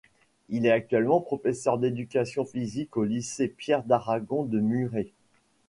Il est actuellement professeur d'éducation physique au lycée Pierre d'Aragon de Muret.